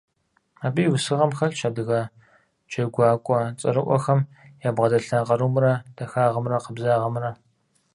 Абы и усыгъэм хэлъщ адыгэ джэгуакӀуэ цӀэрыӀуэхэм ябгъэдэлъа къарумрэ, дахагъымрэ, къабзагъэмрэ.